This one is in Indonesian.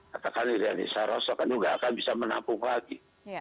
katakan di rianisa rosso kan juga akan bisa menampung lagi